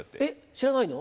知らないの？